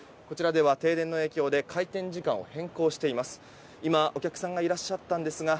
こちらでは停電の影響で開店時間を変更しています。